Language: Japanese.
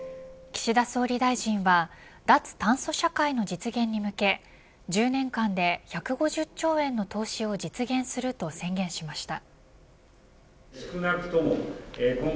岸田総理大臣は脱炭素社会の実現に向け１０年間で１５０兆円の投資を実現すると宣言しました。